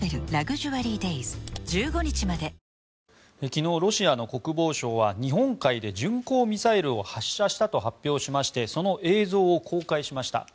昨日、ロシアの国防省は日本海で巡航ミサイルを発射したと発表しましてその映像を公開しました。